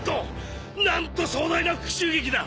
なんと壮大な復讐劇だ！